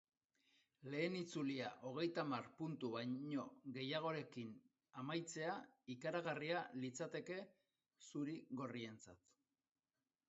Lehen itzulia hogeitahamar puntu baino gehiagorekin amaitzea ikaragarria litzateke zuri-gorrientzat.